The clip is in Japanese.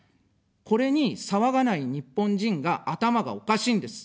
これに騒がない日本人が、頭がおかしいんです。